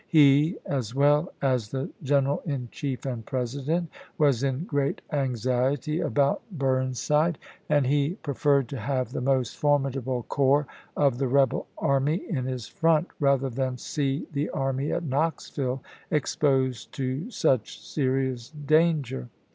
He, as well as the General in Chief and President, was in great anxiety about Burn side, and he preferred to have the most formidable corps of the rebel army in his front rather than see the army at Knoxville exposed to such serious danger.